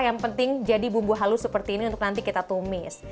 yang penting jadi bumbu halus seperti ini untuk nanti kita tumis